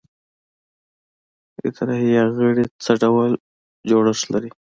اطراحیه غړي څه ډول جوړښت لري؟